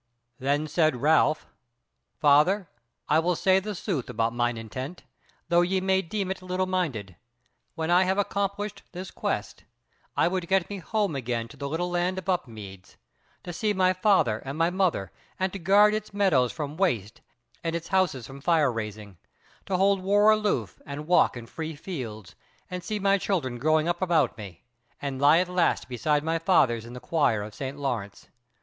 Then said Ralph: "Father, I will say the sooth about mine intent, though ye may deem it little minded. When I have accomplished this quest, I would get me home again to the little land of Upmeads, to see my father and my mother, and to guard its meadows from waste and its houses from fire raising: to hold war aloof and walk in free fields, and see my children growing up about me, and lie at last beside my fathers in the choir of St. Laurence.